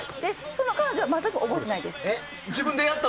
その彼女は全く覚えてないです。